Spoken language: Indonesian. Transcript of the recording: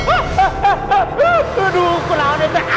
aduh kurang aneh lenganya